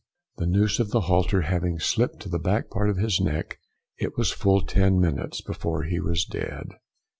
The noose of the halter having slipped to the back part of his neck, it was full ten minutes before he was dead.